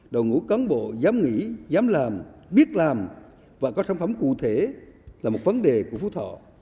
đồng ngũ cán bộ dám nghĩ dám làm biết làm và có sản phẩm cụ thể là một vấn đề của phú thọ